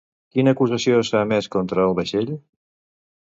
Quina acusació s'ha emès contra el vaixell?